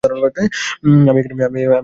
আমি এখানে তোমার জন্য আসিনি।